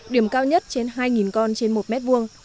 điểm cao nhất trên hai con trên một mét vuông